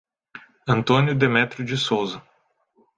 Antônio Demetrio de Souza